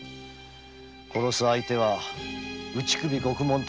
殺す相手は打ち首獄門となる輩。